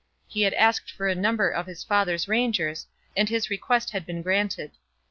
He had asked for a number of his father's rangers, and his request had been granted.